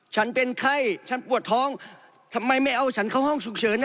ฉันเป็นไข้ฉันปวดท้องทำไมไม่เอาฉันเข้าห้องฉุกเฉิน